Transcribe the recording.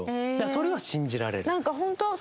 それは信じられる。